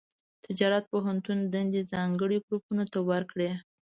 تجارت پوهنتون دندې ځانګړي ګروپونو ته ورکړي.